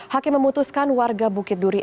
hakim memutuskan warga bukit duri